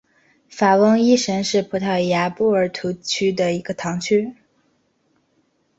法翁伊什是葡萄牙波尔图区的一个堂区。